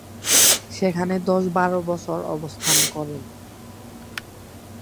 সেখানে দশ-বারো বছর অবস্থান করেন।